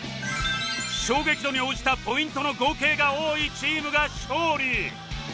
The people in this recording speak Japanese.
衝撃度に応じたポイントの合計が多いチームが勝利